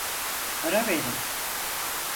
Ara beni.